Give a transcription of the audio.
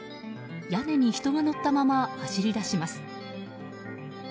屋根に人が乗ったまま走り出します。